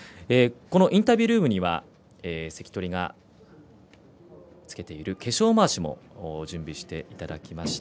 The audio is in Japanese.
インタビュールームには関取がつけている化粧まわしも準備していただきました。